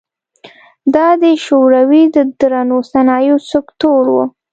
دا د شوروي د درنو صنایعو سکتور و.